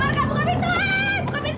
bu barka buka pintu